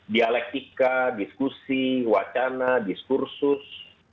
dialektika diskusi wacana diskursus